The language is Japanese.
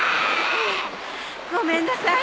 ごめんなさい。